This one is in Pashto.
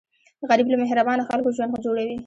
غریب له مهربانه خلکو ژوند جوړوي